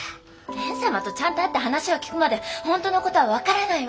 蓮様とちゃんと会って話を聞くまで本当の事は分からないわ。